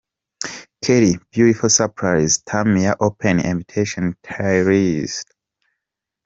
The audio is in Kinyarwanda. Kelly "Beautiful Surprise" -- Tamia "Open Invitation" -- Tyrese.